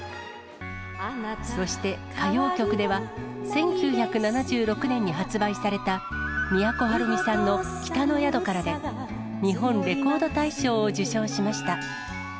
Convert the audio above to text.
そして歌謡曲では、１９７６年に発売された都はるみさんの北の宿からで、日本レコード大賞を受賞しました。